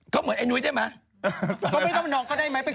เขาเหมือนนุ้ยได้มั้ย